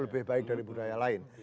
lebih baik dari budaya lain